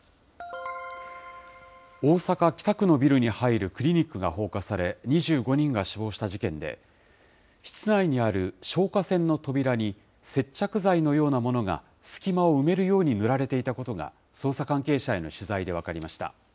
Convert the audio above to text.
大阪・北区のビルに入るクリニックが放火され、２５人が死亡した事件で、室内にある消火栓の扉に、接着剤のようなものが、隙間を埋めるように塗られていたことが、捜査関係者への取材で分かりました。